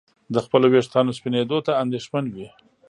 د خپلو ویښتانو سپینېدو ته اندېښمن وي.